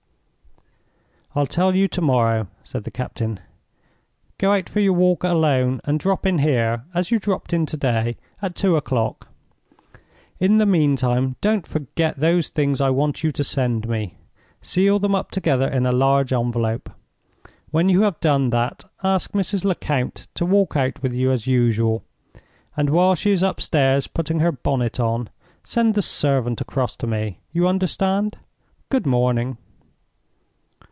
"I'll tell you to morrow," said the captain. "Go out for your walk alone, and drop in here, as you dropped in to day, at two o'clock. In the meantime, don't forget those things I want you to send me. Seal them up together in a large envelope. When you have done that, ask Mrs. Lecount to walk out with you as usual; and while she is upstairs putting her bonnet on, send the servant across to me. You understand? Good morning."